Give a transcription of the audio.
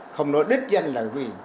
không nói đích danh là gì